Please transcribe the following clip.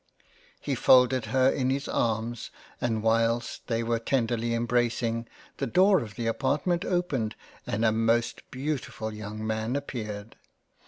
He folded her in his arms, and whilst they were tenderly embracing, the Door of the Apartment opened and a most beautifull young Man appeared.